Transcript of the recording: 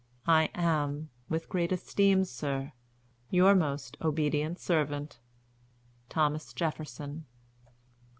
I am, with great esteem, sir, your most obedient servant, "THOMAS JEFFERSON."